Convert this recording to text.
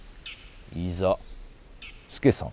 いざ助さん。